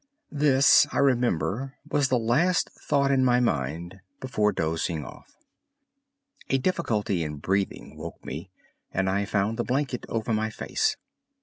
This, I remember, was the last thought in my mind before dozing off. A difficulty in breathing woke me, and I found the blanket over my face.